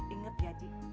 ingat ya ji